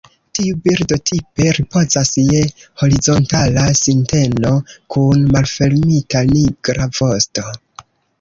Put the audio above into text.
Tiu birdo tipe ripozas je horizontala sinteno kun malfermita nigra vosto.